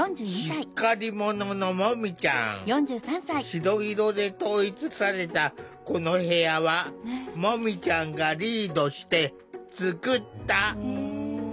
白色で統一されたこの部屋はもみちゃんがリードして作った。